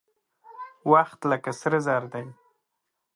وخت لکه سره زر دى.